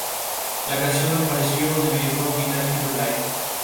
La canción apareció en el videojuego "Guitar Hero Live".